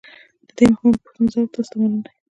د دې مهمو پوښتنو ځواب تاسو ته معلوم دی